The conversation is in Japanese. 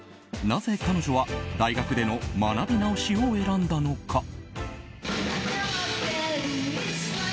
なぜ彼女は大学での学び直しを選んだのか。